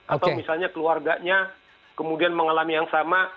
atau misalnya keluarganya kemudian mengalami yang sama